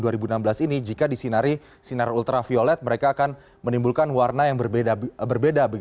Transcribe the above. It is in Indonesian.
baru tahun dua ribu enam belas ini jika disinari sinar ultraviolet mereka akan menimbulkan warna yang berbeda